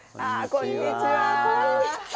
こんにちは。